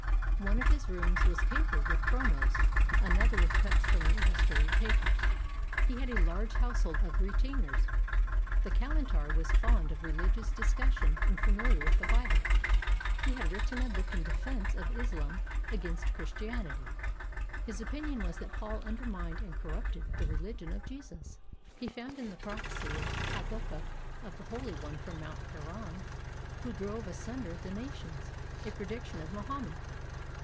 One of his rooms was papered with chromos, another with cuts from the illustrated papers. He had a large household of retainers. The kalantar was fond of religious discus sion and familiar with the Bible. He had written a book in defense of Islam against Christianity. His opinion was that Paul undermined and corrupted the religion of Jesus. He found in the prophecy of Habakkuk of the Holy One from Mount Paran, who drove asunder the nations, a prediction of Mohammed.